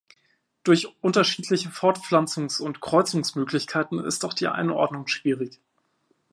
Durch unterschiedliche Fortpflanzungs- und Kreuzungsmöglichkeiten ist auch die Einordnung schwierig.